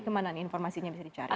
kemana nih informasinya bisa dicari